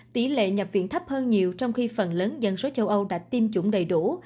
tỷ lệ nhập viện thấp hơn nhiều trong khi phần lớn dân số châu âu đã tiêm chủng đầy đủ